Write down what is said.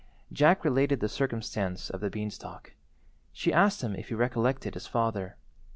Jack related the circumstance of the beanstalk. She asked him if he recollected his father.